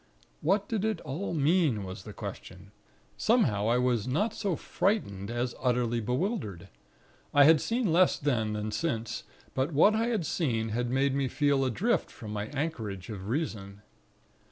What did it all mean? was the question; somehow I was not so frightened, as utterly bewildered. I had seen less then, than since; but what I had seen, had made me feel adrift from my anchorage of Reason.